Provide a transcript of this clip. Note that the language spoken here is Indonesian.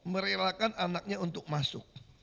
merelakan anaknya untuk masuk